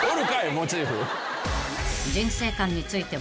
モチーフ。